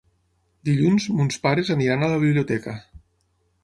Dilluns mons pares aniran a la biblioteca.